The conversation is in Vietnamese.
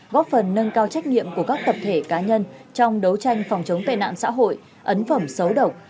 góp phần nâng cao trách nhiệm của các tập thể cá nhân trong đấu tranh phòng chống tệ nạn xã hội ấn phẩm xấu độc